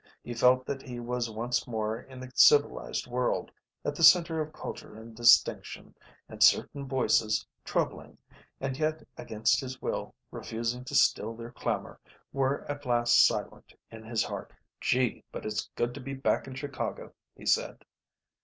He felt that he was once more in the civilised world, at the centre of culture and distinction; and certain voices, troubling and yet against his will refusing to still their clamour, were at last silent in his heart. "Gee, but it's good to be back in Chicago," he said.